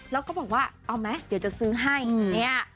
แล้วก็บอกว่าเอาไหมเดี๋ยวจะซื้อให้เนี่ย